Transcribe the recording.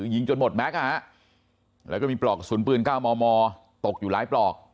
ยิงจนหมดแมคฟะฮะแล้วก็มีปลอกศูนย์ปืน๙มตกคือหลายปลอก